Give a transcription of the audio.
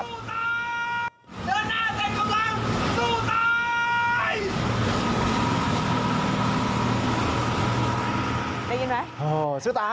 สู้ตายเดินหน้าเต็มกำลังสู้ตาย